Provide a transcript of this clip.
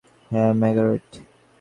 হ্যাঁ, মার্গারেট।